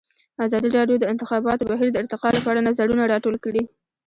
ازادي راډیو د د انتخاباتو بهیر د ارتقا لپاره نظرونه راټول کړي.